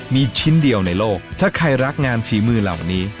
มีชิ้นเดียวในโลกถ้าใครรักงานฝีมือเหล่านี้